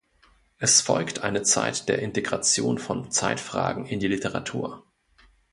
Es folgt eine Zeit der Integration von Zeitfragen in die Literatur.